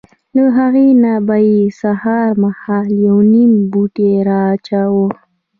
له هغې نه به یې سهار مهال یو نیم پوټی را اچاوه.